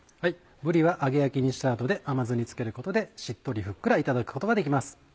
ぶりは揚げ焼きにした後で甘酢に漬けることでしっとりふっくらいただくことができます。